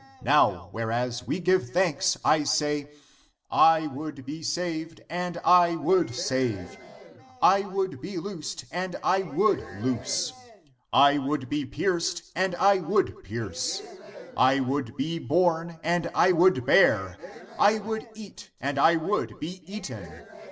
Amen. 95. Now whereas we give thanks, I say ; 1 would be saved, and I would save. Amen. I would be loosed, and I would loose. Amen. I would be pierced, and I would pierce. Amen. I would be born, and I would bear. Amen. I would eat, and I would be eaten. Amen.